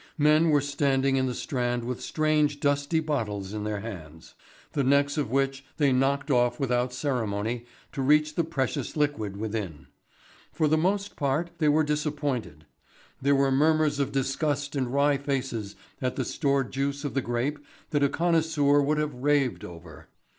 Men were standing in the Strand with strange dusty bottles in their hands, the necks of which they knocked off without ceremony to reach the precious liquid within. For the most part they were disappointed. There were murmurs of disgust and wry faces at the stored juice of the grape that a connoisseur would have raved over.